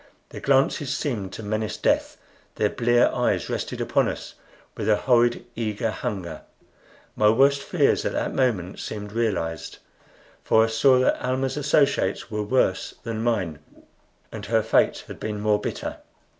Their glances seemed to menace death; their blear eyes rested upon us with a horrid eager hunger. My worst fears at that moment seemed realized; for I saw that Almah's associates were worse than mine, and her fate had been more bitter.